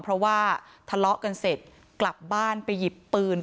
เพราะว่าทะเลาะกันเสร็จกลับบ้านไปหยิบปืน